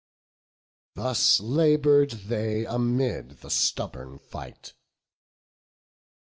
Thus labour'd they amid the stubborn fight.